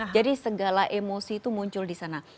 segala emosi itu muncul di sana